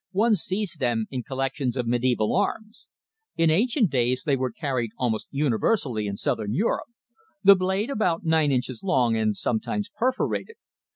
"One sees them in collections of mediæval arms. In ancient days they were carried almost universally in Southern Europe the blade about nine inches long, and sometimes perforated.